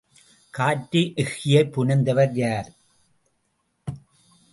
காற்று எக்கியைப் புனைந்தவர் யார்?